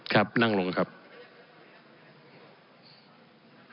ครับนั่งลงครับ